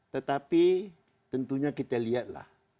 tetapi tentunya kita lihatlah